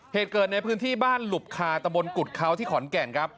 เหตุเกิดในพื้นที่บ้านหลุบคาตะบนกุฎเขาที่ขอนแก่นครับ